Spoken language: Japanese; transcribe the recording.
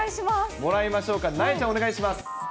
もらいましょうか、なえちゃん、お願いします。